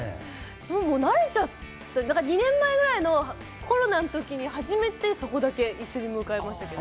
もう慣れちゃって、２年前ぐらいのコロナの時に初めてそこだけ一緒に迎えましたけど。